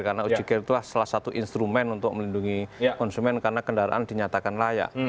karena ujigir itu salah satu instrumen untuk melindungi konsumen karena kendaraan dinyatakan layak